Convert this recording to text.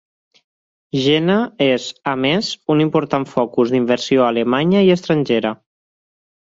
Jena és, a més, un important focus d'inversió alemanya i estrangera.